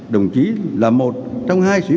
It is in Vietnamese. đồng chí là một trong hai sản phẩm